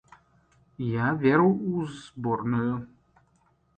Я веру ў зборную.